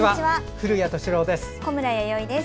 古谷敏郎です。